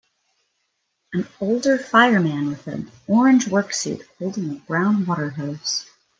An older fireman with an orange work suit holding a brown water hose.